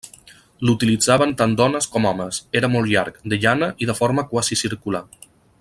L'utilitzaven tant dones com homes, era molt llarg, de llana i de forma quasi circular.